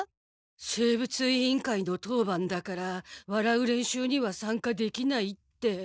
生物委員会の当番だから笑う練習にはさんかできないって。